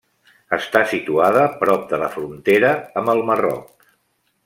Està situada prop de la frontera amb el Marroc.